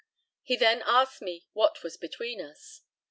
He then asked me what was between us.